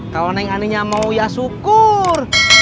kalau neng aninya mau ya syukur